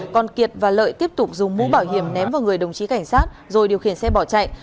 còn kiệt và lợi tiếp tục dùng mũ bảo hiểm ném vào người đồng chí cảnh sát rồi điều khiển xe bỏ chạy